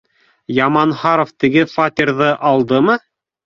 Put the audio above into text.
— Яманһаров теге фатирҙы алдымы?